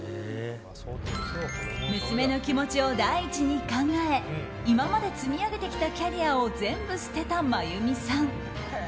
娘の気持ちを第一に考え今まで積み上げてきたキャリアを全部捨てた真弓さん。